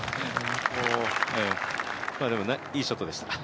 でも、いいショットでした。